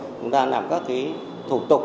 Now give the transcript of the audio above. chúng ta làm các cái thủ tục